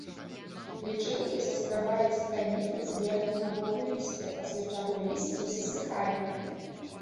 Лічынкі саскрабаюць тканіны з верхняга боку лісця, пасля чаго лісце засыхае.